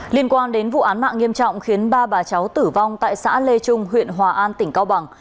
liên quan đến vụ án mạng nghiêm trọng khiến ba bà cháu tử vong tại xã lê trung huyện hòa an tỉnh cao bằng